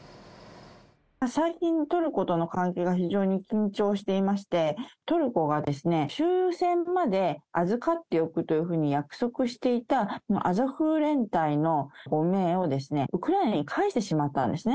最近、トルコとの関係が非常に緊張していまして、トルコが終戦まで預かっておくというふうに約束していたアゾフ連隊の５名をウクライナに返してしまったんですね。